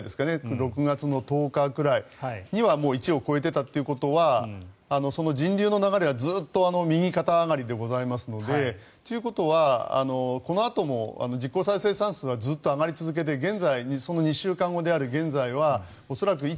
６月１０日くらいには１を超えていたということはその人流の流れはずっと右肩上がりでございますのでということは、このあとも実効再生産数はずっと上がり続けてその２週間後である現在は恐らく１．